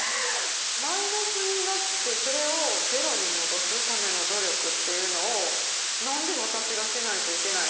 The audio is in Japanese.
「マイナスになってそれをゼロに戻すための努力っていうのをなんで私がしないといけないの？」